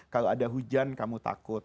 kalau ada hujan kamu takut